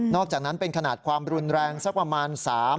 อกจากนั้นเป็นขนาดความรุนแรงสักประมาณ